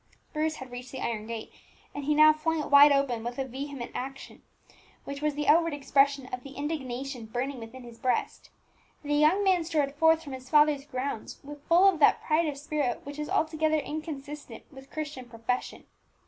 Bruce had reached the iron gate, and he now flung it wide open with a vehement action, which was the outward expression of the indignation burning within his breast. The young man strode forth from his father's grounds full of that pride of spirit which is altogether inconsistent with Christian profession.